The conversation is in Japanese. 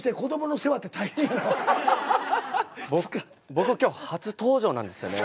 僕僕今日初登場なんですよね。